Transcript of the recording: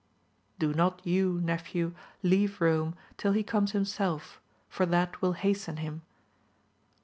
Do not you, nephew, leave Kome till he comes himself, for that will hasten him.